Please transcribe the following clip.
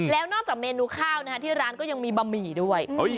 แล้วนอกจากเมนูข้าวที่ร้านก็ยังมีบะหมี่ด้วย